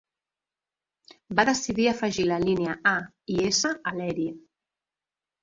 Va decidir afegir la línia A i S a l'Erie.